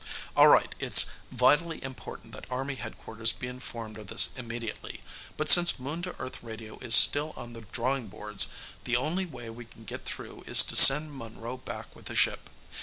"All right. It's vitally important that Army Headquarters be informed of this immediately. But since Moon to Earth radio is still on the drawing boards, the only way we can get through is to send Monroe back with the ship.